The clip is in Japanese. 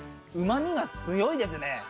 うま味が強いですね。